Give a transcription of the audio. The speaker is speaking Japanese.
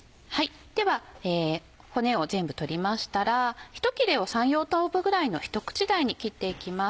では骨を全部取りましたら１切れを３４等分ぐらいの一口大に切っていきます。